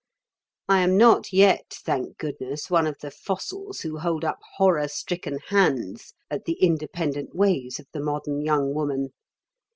I am not yet, thank goodness, one of the fossils who hold up horror stricken hands at the independent ways of the modern young woman.